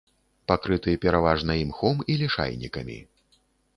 Пакрыты пераважна імхом і лішайнікамі.